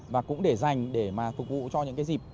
và cũng để dành để mà phục vụ cho những cái dịp